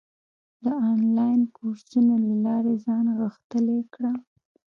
د انلاین کورسونو له لارې ځان غښتلی کړه.